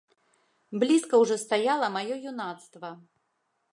Блізка ўжо стаяла маё юнацтва.